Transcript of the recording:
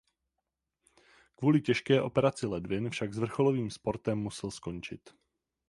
Kvůli těžké operaci ledvin však s vrcholovým sportem musel skončit.